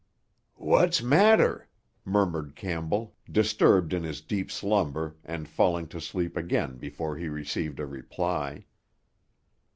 "What's matter?" murmured Campbell, disturbed in his deep slumber, and falling to sleep again before he received a reply.